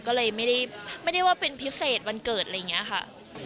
ก็เลยไม่ได้ว่าเป็นพิเศษวันเกิดอะไรอย่างนี้ค่ะ